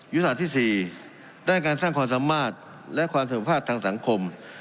ยุทธศาสตร์ที่๔ด้านการสร้างความสามารถและความเสมอภาคทางสังคม